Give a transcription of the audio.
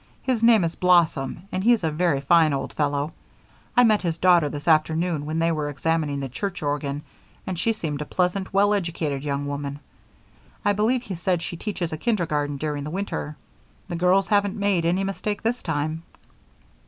His name is Blossom and he's a very fine old fellow. I met his daughter this afternoon when they were examining the church organ, and she seemed a pleasant, well educated young woman I believe he said she teaches a kindergarten during the winter. The girls haven't made any mistake this time."